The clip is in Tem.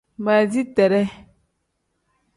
Baasiteree.